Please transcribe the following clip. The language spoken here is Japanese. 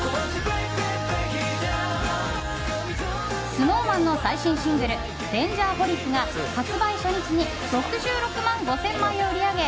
ＳｎｏｗＭａｎの最新シングル「Ｄａｎｇｅｒｈｏｌｉｃ」が発売初日に６６万５０００枚を売り上げ